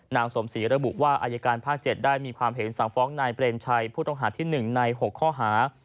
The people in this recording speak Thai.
นางสมศรีระบุว่าอายการภาค๗ได้มีความเห็นสั่งฟ้องนายเปรมชัยผู้ต้องหาที่๑ใน๖ข้อหา